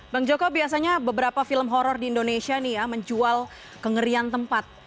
bang joko biasanya beberapa film horror di indonesia nih ya menjual kengerian tempat